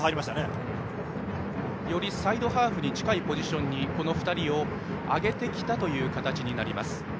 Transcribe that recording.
よりサイドハーフに近いポジションに２人を上げてきたという形になります。